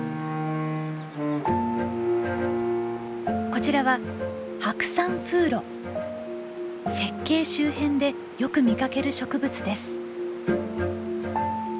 こちらは雪渓周辺でよく見かける植物です。